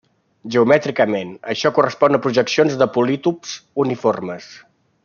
Geomètricament, això correspon a projeccions de polítops uniformes.